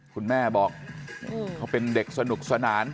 คุณแม่บอกเขาเป็นเด็กสนุกสนาน